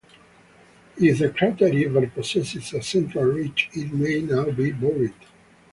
If the crater ever possessed a central ridge, it may now be buried.